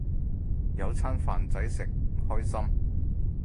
有餐飯仔食，開心